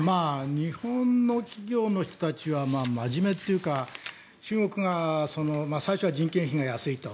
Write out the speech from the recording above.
日本の企業の人たちは真面目というか中国が最初は人件費が安いと。